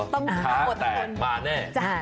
ต้องช้าแต่มาแน่